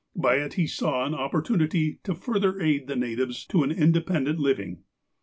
By it he saw an opiDortunity to further aid the natives to an independent living.